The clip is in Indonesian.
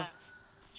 sudah ada sudah